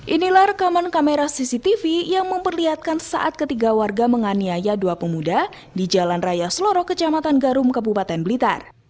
inilah rekaman kamera cctv yang memperlihatkan saat ketiga warga menganiaya dua pemuda di jalan raya seloro kecamatan garum kabupaten blitar